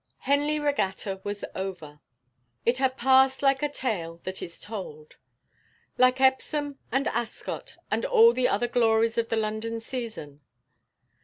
Henley Regatta was over. It had passed like a tale that is told; like Epsom and Ascot, and all the other glories of the London season.